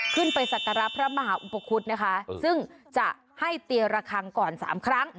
ไปสักการะพระมหาอุปคุฎนะคะซึ่งจะให้เตียระคังก่อนสามครั้ง